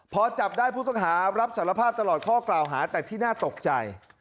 พอจับได้ผู้ต้องหารับสารภาพตลอดข้อกล่าวหาแต่ที่น่าตกใจ